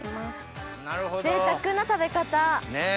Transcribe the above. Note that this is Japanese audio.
ぜいたくな食べ方！